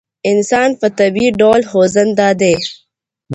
انسان په طبعي ډول خوځنده دی.